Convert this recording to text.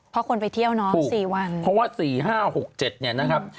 เพราะคนไปเที่ยว๔วันนะครับถูกเพราะว่า๔๕๖๗นะครับ